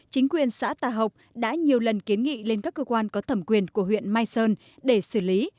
chính quyền xã tà học đã nhiều lần kiến nghị lên các cơ quan có thẩm quyền của huyện mai sơn để xử lý